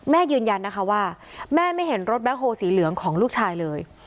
ยืนยันนะคะว่าแม่ไม่เห็นรถแบ็คโฮลสีเหลืองของลูกชายเลย